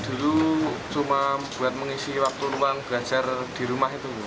dulu cuma buat mengisi waktu luang belajar di rumah itu